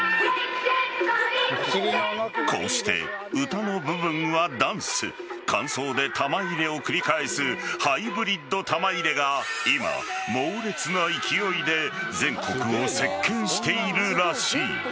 こうして、歌の部分はダンス間奏で玉入れを繰り返すハイブリッド玉入れが今、猛烈な勢いで全国を席巻しているらしい。